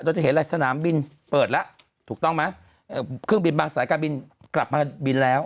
จะเห็นอะไรสนามบินเปิดแล้วถูกต้องไหมเครื่องบินบางสายการบินกลับมาบินแล้ว